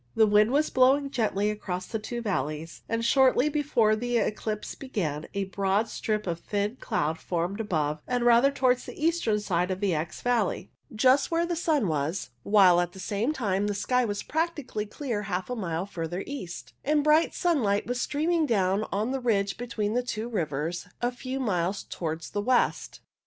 The wind was blowing gently across the two valleys, and shortly before the eclipse began a broad strip of thin cloud formed above and rather towards the eastern side of the Exe valley, just where the sun was, while at the same time the sky was practically clear half a mile further east, and bright sunlight was streaming down on the ridge between the two rivers a few miles towards the west.